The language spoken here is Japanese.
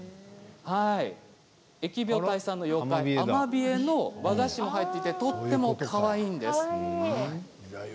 疫病退散の妖怪・アマビエの和菓子が入っていてとてもかわいいんです。